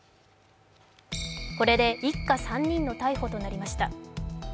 これで一家３人の逮捕となりました